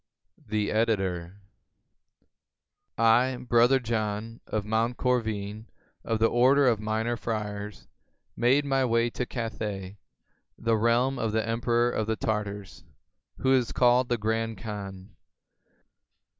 The Editor.] I, Brother John, of Monte Corvine, of the order of Minor Friars, made my way to Cathay, the realm of the emperor of the Tartars, who is called the Grand Khan.